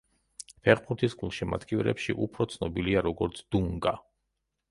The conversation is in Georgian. ფეხბურთის გულშემატკივრებში უფრო ცნობილია როგორც დუნგა.